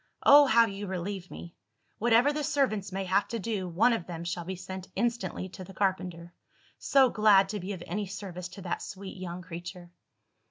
Oh, how you relieve me! Whatever the servants may have to do, one of them shall be sent instantly to the carpenter. So glad to be of any service to that sweet young creature!"